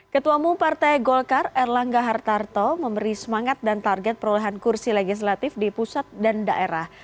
ketua mumpartai golkar erlangga hartarto memberi semangat dan target perolehan kursi legislatif di pusat dan daerah